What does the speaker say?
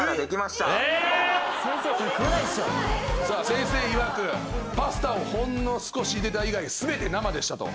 先生いわくパスタをほんの少しゆでた以外全て生でしたと。